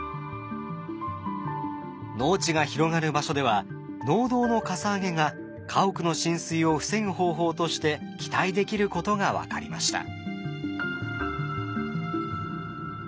農地が広がる場所では農道のかさ上げが家屋の浸水を防ぐ方法として期待できることが分かりました。